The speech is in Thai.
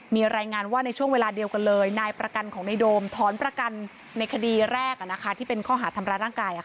มีรายงานว่าในช่วงเวลาเดียวกันเลยนายประกันของในโดมถอนประกันในคดีแรกที่เป็นข้อหาทำร้ายร่างกาย